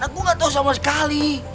aku gak tahu sama sekali